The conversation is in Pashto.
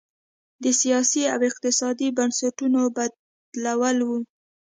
د سیاسي او اقتصادي بنسټونو بدلول و.